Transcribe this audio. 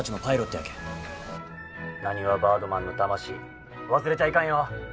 なにわバードマンの魂忘れちゃいかんよ！